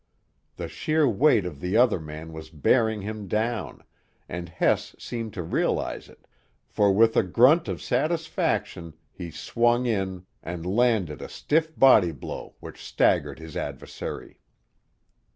The sheer weight of the other man was bearing him down, and Hess seemed to realize it, for with a grunt of satisfaction he swung in and landed a stiff body blow which staggered his adversary.